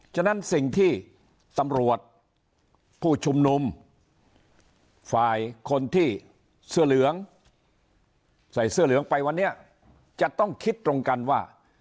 ฉะนั้นสิ่งที่ตำรวจผู้ชุมนุมฝ่ายคนที่เสื้อเหลืองใส่เสื้อเหลืองไปวันนี้จะต้องคิดตรงกันว่า